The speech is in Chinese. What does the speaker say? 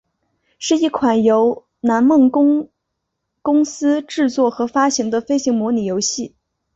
是一款由南梦宫公司制作和发行的飞行模拟游戏。